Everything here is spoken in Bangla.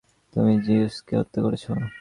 তুমি জিউসকে হত্যা করেছ।